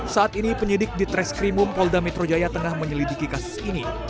saat ini penyidik di treskrimum polda metro jaya tengah menyelidiki kasus ini